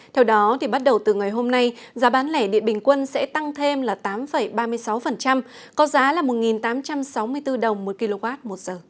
theo đó bắt đầu từ ngày hôm nay giá bán lẻ điện bình quân sẽ tăng thêm là tám ba mươi sáu có giá là một tám trăm sáu mươi bốn đồng một kwh